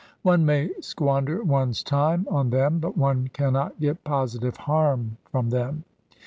One may squander one's time on them, but one cannot get positive harm from them.